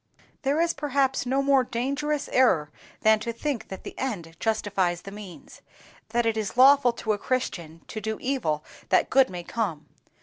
There is, perhaps, no more dangerous error than to think that the end justifies the means—that it is lawful to a Christian to do evil that good may come.